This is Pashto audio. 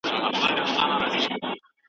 فارابي متحد نړيوال حکومت غوښته.